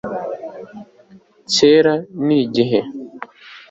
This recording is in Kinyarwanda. kera ni igihe